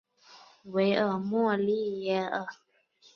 莫尔维利耶尔。